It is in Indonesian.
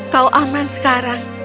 kau aman sekarang